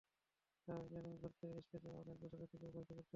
তবে ইদানীং সেখানে ঘুরতে যাওয়া অনেক দর্শনার্থীকে বিব্রতকর পরিস্থিতিতে পড়তে হয়।